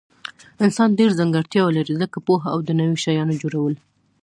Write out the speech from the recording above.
انسانان ډیر ځانګړتیاوي لري لکه پوهه او د نوي شیانو جوړول